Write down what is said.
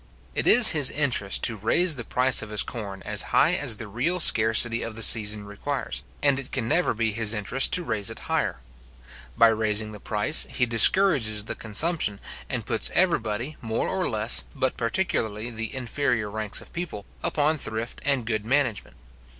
It is his interest to raise the price of his corn as high as the real scarcity of the season requires, and it can never be his interest to raise it higher. By raising the price, he discourages the consumption, and puts every body more or less, but particularly the inferior ranks of people, upon thrift and good management.